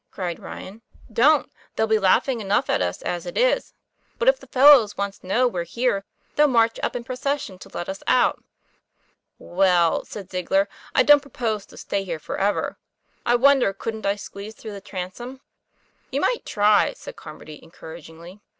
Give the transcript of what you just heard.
cried Ryan, "don't. There'll be laughing enough at us as it is. But if the fellows once know we're here, they'll march up in procession to let us out." "Well," said Ziegler, "I don't propose to stay here forever. I wonder couldn't I squeeze through the transom?" 'You might try," said Carmody encouragingly.